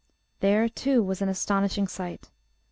There, too, was an astonishing sight.